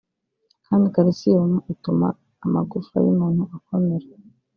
kandi Calcium ituma amagufa y’umuntu akomera